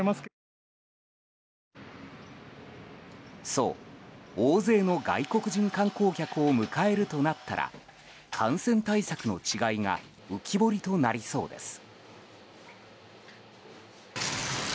そう、大勢の外国人観光客を迎えるとなったら感染対策の違いが浮き彫りとなりそうです。